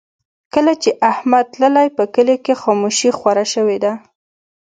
کله چې احمد تللی، په کلي کې خاموشي خوره شوې ده.